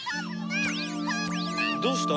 どうした？